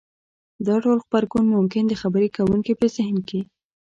دا ډول غبرګون ممکن د خبرې کوونکي په زهن کې